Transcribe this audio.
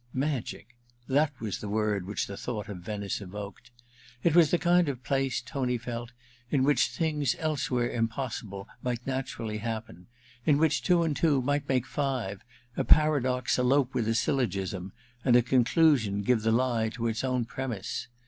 Magic ! That was the word which the thought of Venice evoked. It was the kind of place, Tony felt, in which things elsewhere impossible might naturally 31 8 A VENETIAN NIGHTS i happen, in which two and two might make five, a paradox elope with a syllogism, and a con clusion give the lie to its own premiss.